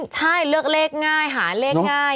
ใช่เลือกเลขง่ายหาเลขง่าย